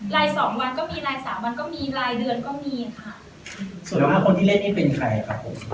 ไลน์สองวันก็มีไลน์สามวันก็มีไลน์เดือนก็มีค่ะสุดยอดค่ะคนที่เล่นให้เป็นใครครับผม